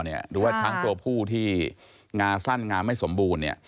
หรือว่าช้างตัวผู้ที่งาสั้นงาไม่สมบูรณ์